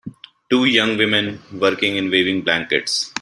Two young women working in waving blankets